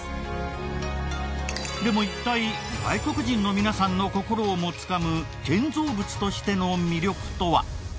でも一体外国人の皆さんの心をもつかむ建造物としての魅力とは？